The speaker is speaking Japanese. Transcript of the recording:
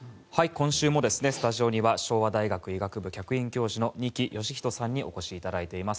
今週もスタジオには昭和大学医学部客員教授の二木芳人さんにお越しいただいています。